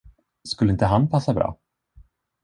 Skulle inte han passa bra?